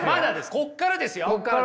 ここからですよ。